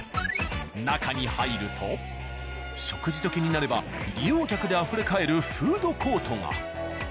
中に入ると食事どきになれば利用客であふれ返るフードコートが。